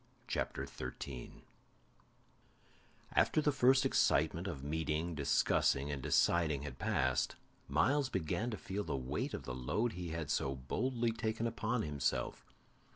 CHAPTER 13 After the first excitement of meeting, discussing, and deciding had passed, Myles began to feel the weight of the load he had so boldly taken upon himself.